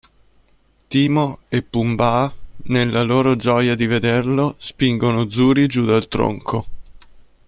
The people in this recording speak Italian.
Timon e Pumbaa, nella loro gioia di vederlo, spingono Zuri giù dal tronco.